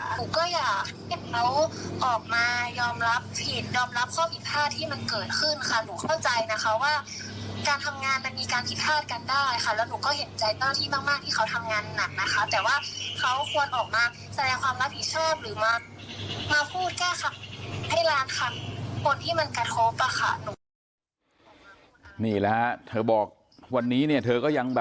หนูก็อยากให้เขาออกมายอมรับผิดยอมรับข้อผิดพลาดที่มันเกิดขึ้นค่ะ